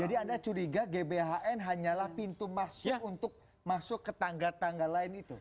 jadi anda curiga gbhn hanyalah pintu masuk untuk masuk ke tangga tangga lain itu